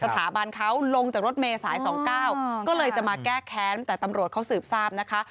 สถาบันเขาลงจากรถเมย์สาย๒๙ก็เลยจะมาแก้แค้นแต่ตำรวจเขาสืบทราบนะคะ